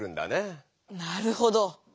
なるほど！